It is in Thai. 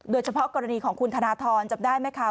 โดยเฉพาะกรณีของคุณธนทรจำได้ไหมคะ